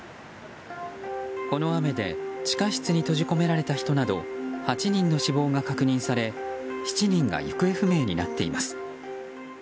この雨で、地下室に閉じ込められた人など８人の死亡が確認され７人が行方不明になっています。